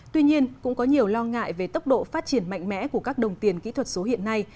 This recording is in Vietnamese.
tuy nhiên cũng có nhiều lo ngại về tốc độ phát triển mạnh mẽ của các đồng tiền kỹ thuật số hiện nay